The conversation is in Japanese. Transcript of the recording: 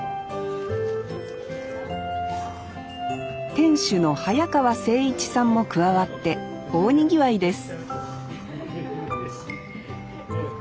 店主の早川清一さんも加わって大にぎわいです